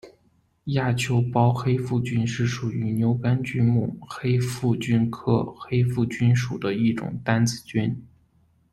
亚球孢黑腹菌是属于牛肝菌目黑腹菌科黑腹菌属的一种担子菌。